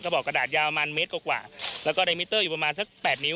บอกกระดาษยาวประมาณเมตรกว่าแล้วก็ในมิเตอร์อยู่ประมาณสักแปดนิ้